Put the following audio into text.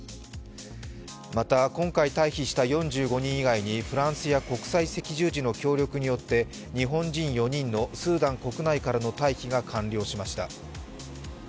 また今回退避した４５人以外にフランスや国際赤十字の協力によって日本人４人のスーダン国内からの退避が完了しました。